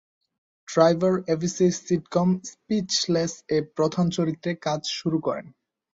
Driver এবিসির sitcom "স্পিচলেস"-এ প্রধান চরিত্রে কাজ শুরু করেন।